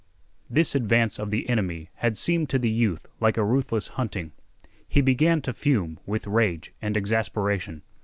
This advance of the enemy had seemed to the youth like a ruthless hunting. He began to fume with rage and exasperation.